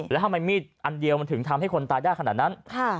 แล้วทำไมมีดอันเดียวมันถึงทำให้คนตายได้ขนาดนั้น